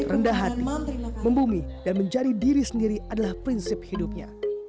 rendah hati membumi dan menjadi diri sendiri adalah prinsip hidupnya